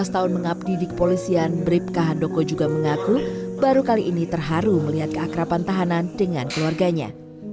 tujuh belas tahun mengabdidik polisian bripka handoko juga mengaku baru kali ini terharu melihat keakrapan tahanan dengan keluarganya